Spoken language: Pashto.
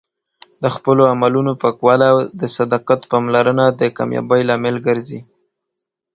د خپلو عملونو پاکوالی او د صداقت پاملرنه د کامیابۍ لامل ګرځي.